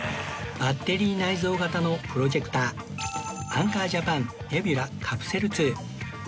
バッテリー内蔵型のプロジェクターアンカー・ジャパンネビュラカプセル Ⅱ